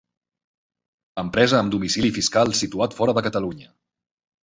Empresa amb domicili fiscal situat fora de Catalunya.